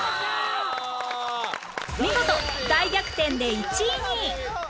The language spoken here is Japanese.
見事大逆転で１位に！